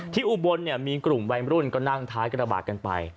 อุบลมีกลุ่มวัยรุ่นก็นั่งท้ายกระบาดกันไป